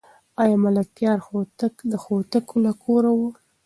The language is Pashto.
آیا ملکیار هوتک د هوتکو له کوره و؟